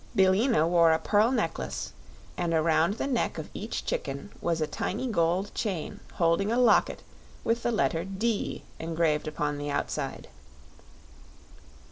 Billina wore a pearl necklace, and around the neck of each chicken was a tiny gold chain holding a locket with the letter "D" engraved upon the outside.